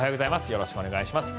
よろしくお願いします。